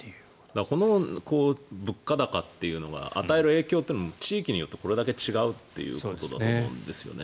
この物価高っていうのが与える影響というのも地域によって、これだけ違うということだと思うんですね。